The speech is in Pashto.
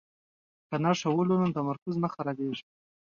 که نښه وولو نو تمرکز نه خرابیږي.